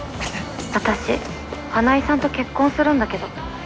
私花井さんと結婚するんだけど。